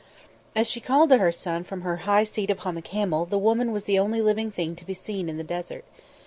As she called to her son from her high seat upon the camel the woman was the only living thing to be seen in the desert.